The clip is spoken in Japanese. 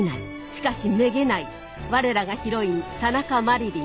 しかしメゲないわれらがヒロイン田中麻理鈴